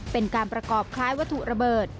เป็นการประกอบคล้ายวัตถุระเบิด